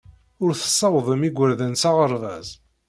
Ur tessawḍem igerdan s aɣerbaz.